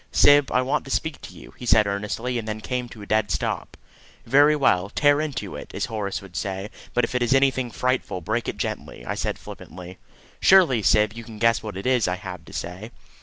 "Syb, I want to speak to you," he said earnestly, and then came to a dead stop. "Very well; 'tear into it,' as Horace would say; but if it is anything frightful, break it gently," I said flippantly. "Surely, Syb, you can guess what it is I have to say."